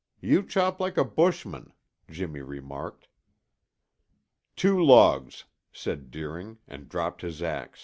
You chop like a bushman," Jimmy remarked. "Two logs," said Deering and dropped his ax.